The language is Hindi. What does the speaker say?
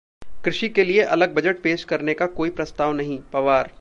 कृषि के लिए अलग बजट पेश करने का कोई प्रस्ताव नहीं: पवार